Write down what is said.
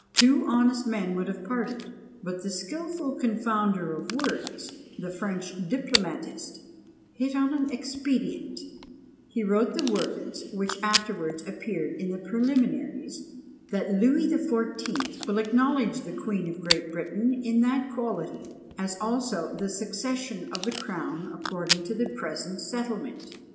Two honest men would have parted; but the "skilful confounder of words," the French diplomatist, hit on an expedient; he wrote the words which afterwards appeared in the preliminaries, "That Louis the Fourteenth will acknowledge the Queen of Great Britain in that quality, as also the succession of the crown according to the PRESENT SETTLEMENT."